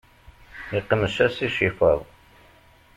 Iqmec-as icifaḍ.